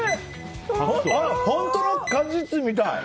本当の果実みたい！